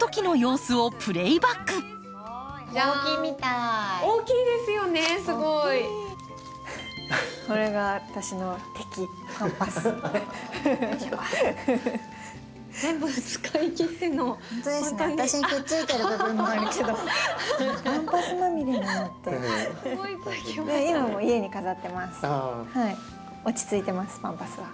スタジオ落ち着いてますパンパスは。